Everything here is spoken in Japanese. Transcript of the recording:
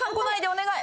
お願い！